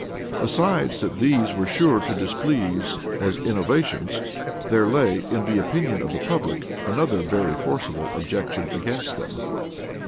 Besides that these were sure to displease as innovations, there lay, in the opinion of the public, another very forcible objection against them.